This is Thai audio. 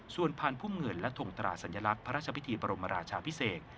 ส่วนพันธุ์พุ่มเงินและทงตราสัญลักษณ์พระราชพิธีบรมราชาพิเศษ